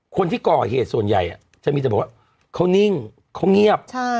คนที่ก่อเหตุส่วนใหญ่จะมีแต่บอกว่าเขานิ่งเขาเงียบ